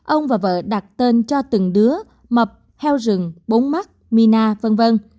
ông và vợ đặt tên cho từng đứa mập heo rừng bóng mắt mina v v